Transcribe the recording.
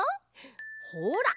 ほら！